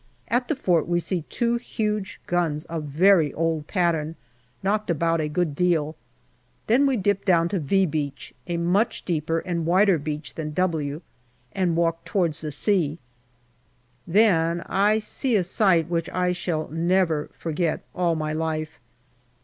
At the fort we see two huge guns of very old pattern, knocked about a good deal. Then we dip down to " V " Beach, a much deeper and wider beach than " W," and walk towards the sea. Then I see a sight which I shall never forget all my life.